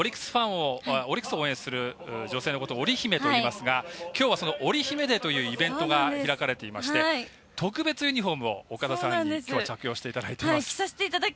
オリックスを応援する女性のことをオリ姫といいますが、きょうはこのオリ姫デーというイベントが開かれていまして特別ユニフォームを岡田さんに、きょう着用していただいております。